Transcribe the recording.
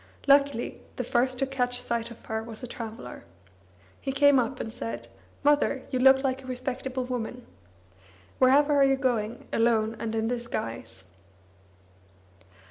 Luckily, the first to catch sight of her was a traveller. He came up, and said: "Mother, you look a respectable woman. Wherever are you going, alone and in this guise?"